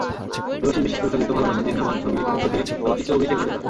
দেবাশীষ বিশ্বাস পরিচালিত ভালোবাসা জিন্দাবাদ ছবির মধ্য দিয়ে চলচ্চিত্রে অভিষেক ঘটে তাঁর।